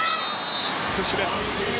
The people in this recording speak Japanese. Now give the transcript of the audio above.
プッシュです。